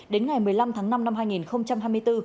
đến ngày một mươi năm tháng năm năm hai nghìn hai mươi bốn